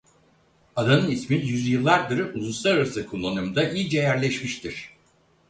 Adanın ismi yüzyıllardır uluslararası kullanımda iyice yerleşmiştir.